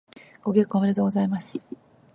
ご結婚おめでとうございます。